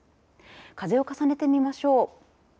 風を重ねてみましょう。